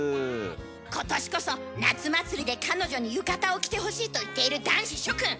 今年こそ夏祭りで彼女に浴衣を着てほしいと言っている男子諸君！